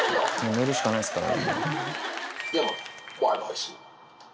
寝るしかないですからね。